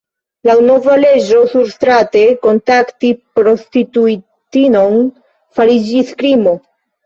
Laŭ nova leĝo surstrate kontakti prostituitinon fariĝis krimo.